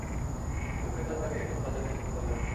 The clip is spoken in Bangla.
কিন্তু ক্রেতা তাকে কোন কাজে নিয়োজিত করলেন না।